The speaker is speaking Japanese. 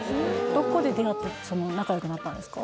どこで出会って仲良くなったんですか？